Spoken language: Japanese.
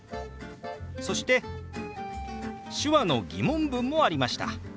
そして手話の疑問文もありました。